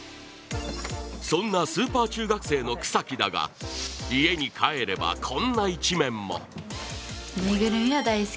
そんなスーパー中学生の草木だが、家に帰れば、こんな一面も。